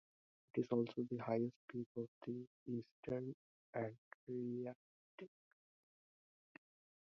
It is also the highest peak of the eastern Adriatic.